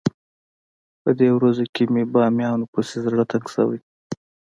په دې ورځو کې مې بامیانو پسې زړه تنګ شوی.